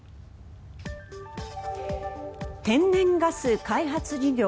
天然ガス開発事業